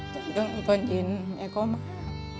ตอนกลางวันตอนยินแม่ก็มา